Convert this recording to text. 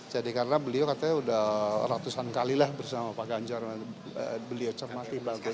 jadi karena beliau katanya udah ratusan kali lah bersama pak ganjar beliau cermati bagus